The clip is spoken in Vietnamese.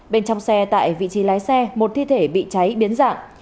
bên trong xe tại vị trí lái xe một thi thể bị cháy biến dạng